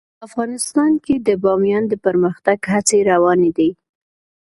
افغانستان کې د بامیان د پرمختګ هڅې روانې دي.